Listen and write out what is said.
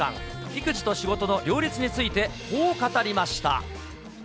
育児と仕事の両立について、こう語りました。